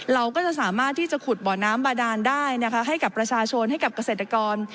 เราก็จะสามารถที่จะขุดบ่อน้ำบาดานได้นะคะให้กับประชาชนให้กับเกษตรกร